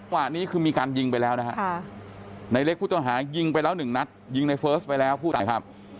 กว่านี้คือมีการยิงไปแล้วนะฮะในเล็กผู้ต้องหายิงไปแล้วหนึ่งนัดยิงในเฟิร์สไปแล้วผู้ตายครับ